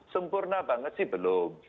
sempurna banget sih belum